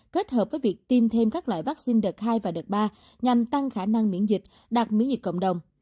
kết hợp với việc tiêm thêm các loại vaccine đợt hai và đợt ba nhằm tăng khả năng miễn dịch đạt miễn dịch cộng đồng